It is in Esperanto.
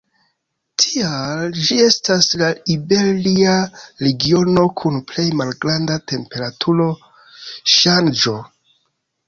Tial, ĝi estas la iberia regiono kun plej malgranda temperaturo-ŝanĝo.